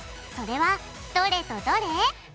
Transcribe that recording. それはどれとどれ？